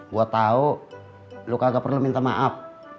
gua tau lu kagak perlu minta maaf